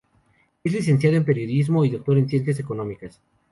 Es licenciado en Periodismo y doctor en Ciencias Económicas.